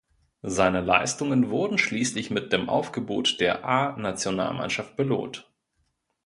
Seine Leistungen wurden schliesslich mit dem Aufgebot der A-Nationalmannschaft belohnt.